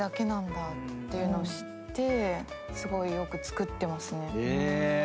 ていうのを知ってすごいよく作ってますね。